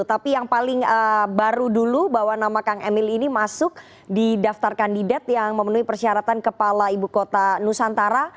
tapi yang paling baru dulu bahwa nama kang emil ini masuk di daftar kandidat yang memenuhi persyaratan kepala ibu kota nusantara